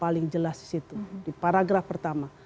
paling jelas di situ di paragraf pertama